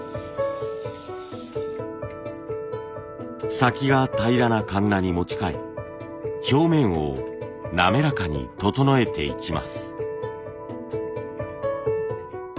先が平らなカンナに持ち替え表面を滑らかに整えていきます。